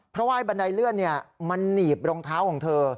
เพราะว่าบันไดเลื่อนมันหนีบรองเท้าของเธอ